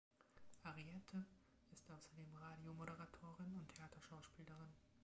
Ariette ist außerdem Radiomoderatorin und Theaterschauspielerin.